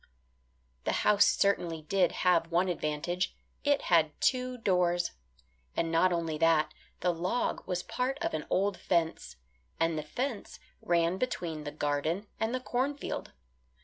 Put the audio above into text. The house certainly did have one advantage; it had two doors. And not only that, the log was part of an old fence, and the fence ran between the garden and the cornfield.